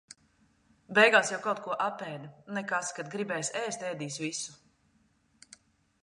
Beigās jau kaut ko apēda. Nekas, kad gribēs ēst, ēdis visu.